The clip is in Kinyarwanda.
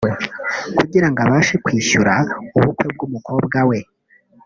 kugira ngo abashe kwishyura ubukwe bw’umukobwa we